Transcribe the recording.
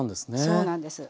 そうなんです。